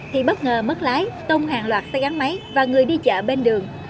thì bất ngờ mất lái tông hàng loạt xe gắn máy và người đi chợ bên đường